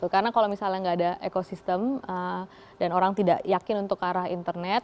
karena kalau misalnya nggak ada ekosistem dan orang tidak yakin untuk ke arah internet